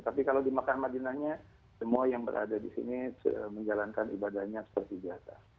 tapi kalau di mekah madinahnya semua yang berada di sini menjalankan ibadahnya seperti biasa